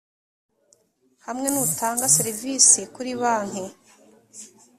hamwe n utanga serivisi kuri banki